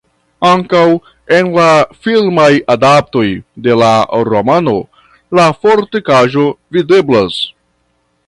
Ankaŭ en la filmaj adaptoj de la romano la fortikaĵo videblas.